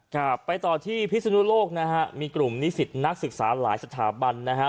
ครับไปต่อที่พิศนุโลกนะฮะมีกลุ่มนิสิตนักศึกษาหลายสถาบันนะฮะ